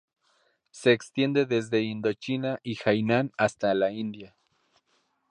Se extiende desde Indochina y Hainan hasta la India.